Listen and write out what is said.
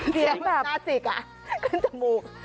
เสียงแบบขึ้นจมูก